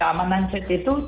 keamanan chat itu